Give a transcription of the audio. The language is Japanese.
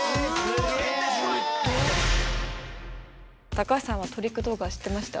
高橋さんはトリック動画知ってました？